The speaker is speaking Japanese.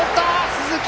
鈴木！